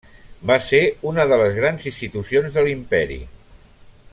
Va ser una de les grans institucions de l'Imperi.